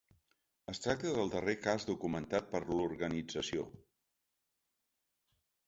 Es tracta del darrer cas documentat per l’organització.